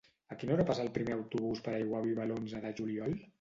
A quina hora passa el primer autobús per Aiguaviva l'onze de juliol?